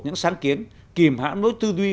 những sáng kiến kìm hãm lối tư duy